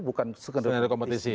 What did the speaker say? bukan skenario kompetisi